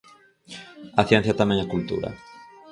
A ciencia tamén é cultura.